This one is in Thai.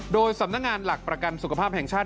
โดยสำนักงานหลักประกันสุขภาพแห่งชาติ